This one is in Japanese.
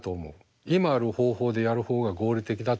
今ある方法でやる方が合理的だと思ってしまう。